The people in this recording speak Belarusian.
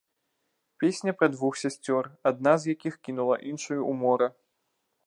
Песня пра двух сясцёр, адна з якіх кінула іншую ў мора.